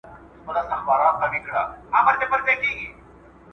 نورو ته هغه څه خوښ کړه چې ځان ته یې غواړې.